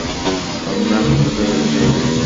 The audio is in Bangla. আমরা কিছুটা রেখে দেব!